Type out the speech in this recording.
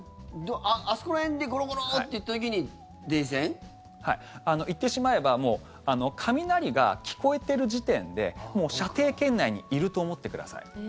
あそこら辺でゴロゴロッていった時に電線？言ってしまえば雷が聞こえてる時点でもう射程圏内にいると思ってください。